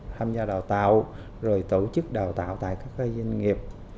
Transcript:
tham gia đào tạo rồi tổ chức đào tạo tại các doanh nghiệp